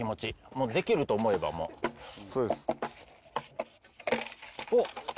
もうできると思えばもう。おっ！